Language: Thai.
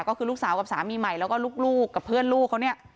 ก็คือลูกสาวกับสามีใหม่แล้วก็ลูกกับเพื่อนลูกเขาเนี่ย